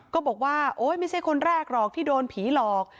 ก็บอกว่าโอ๊ยไม่ใช่คนแรกหรอกที่โดนผีหลอก